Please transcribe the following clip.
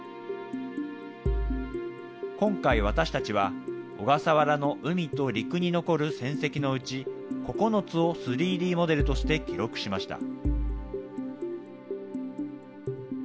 今回、私たちは小笠原の海と陸に残る戦跡のうち、９つを３Ｄモデルとして記録しました。